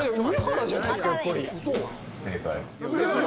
正解。